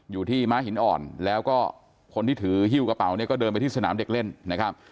อยู่ที่ม้าหินอ่อนแล้วก็คนที่ถือฮิ้วกระเป๋าเนี่ยก็เดินไปที่สนามเด็กเล่นนะครับ